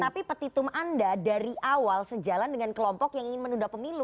tapi petitum anda dari awal sejalan dengan kelompok yang ingin menunda pemilu